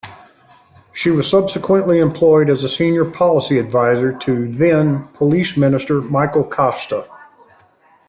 She was subsequently employed as a senior policy adviser to then-Police Minister Michael Costa.